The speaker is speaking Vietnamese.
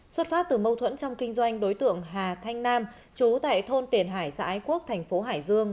xuất phát từ mâu thuẫn trong kinh doanh đối tượng hà thanh nam chú tại thôn tiền hải xã ái quốc thành phố hải dương